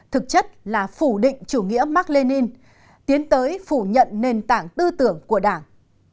thực chất là phủ định chủ nghĩa mark lenin tiến tới phủ nhận nền tảng tư tưởng của đảng